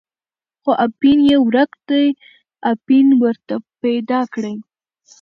خو اپین یې ورک دی، اپین ورته پیدا کړئ.